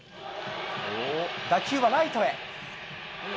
打球はライトへ。